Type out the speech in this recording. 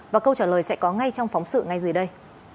và câu trả lời sẽ có ngay trong phóng sự ngay dưới đây